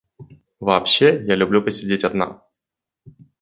Вообще я люблю посидеть одна.